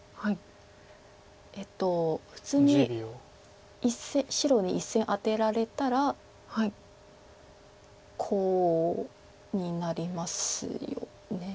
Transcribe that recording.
普通に白に１線アテられたらコウになりますよね。